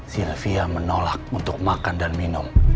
sylvia menolak untuk makan dan minum